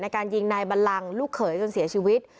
การยิงนายบัลลังลูกเขยจนเสียชีวิต